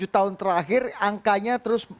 tujuh tahun terakhir angkanya